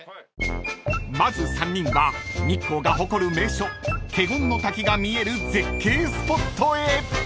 ［まず３人は日光が誇る名所華厳の滝が見える絶景スポットへ］